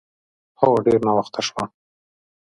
هو، ډېر ناوخته شوه.